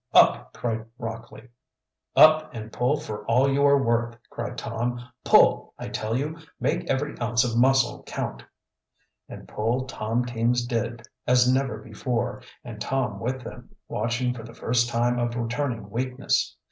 "Up!" cried Rockley. "Up and pull for all you are worth!" cried Tom. "Pull, I tell you! Make every ounce of muscle count!" And pull Tom's team did as never before, and Tom with them, watching for the first sign of returning weakness.